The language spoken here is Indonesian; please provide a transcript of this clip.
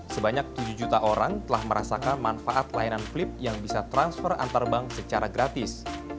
sebanyak tujuh juta orang telah merasakan manfaat layanan flip yang bisa transfer antar bank secara gratis